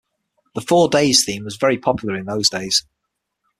'The Four Days' theme was very popular in those days.